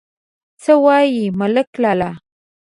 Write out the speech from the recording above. _څه وايي ملک لالا!